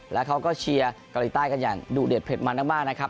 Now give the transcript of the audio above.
แล้วเขาก็เชียร์เกาหลีใต้กันอย่างดุเด็ดเผ็ดมันมากนะครับ